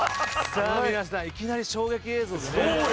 さあ、皆さんいきなり衝撃映像でね。